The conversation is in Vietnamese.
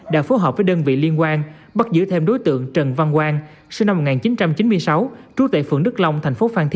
đã phù hợp với đơn vị liên quan bắt giữ thêm đối tượng trần văn quang sinh năm một nghìn chín trăm chín mươi sáu